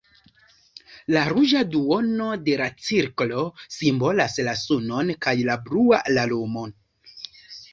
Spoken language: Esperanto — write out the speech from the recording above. La ruĝa duono de la cirklo simbolas la sunon, kaj la blua la lunon.